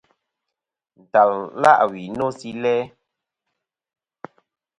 Ntal la' wi no si læ.